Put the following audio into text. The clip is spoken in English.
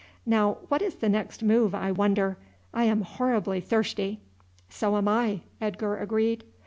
Now, what is the next move, I wonder? I am horribly thirsty." "So am I," Edgar agreed.